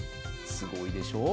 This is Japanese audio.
すごいでしょう。